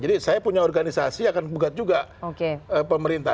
jadi saya punya organisasi yang akan gugat juga pemerintah